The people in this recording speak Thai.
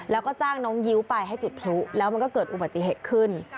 แล้วก็จ้างน้องยิ้วไปให้จุดพลุแล้วมันก็เกิดอุบัติเหตุขึ้น